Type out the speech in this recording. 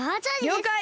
りょうかい！